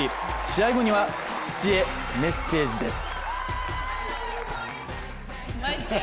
試合後には、父へメッセージです。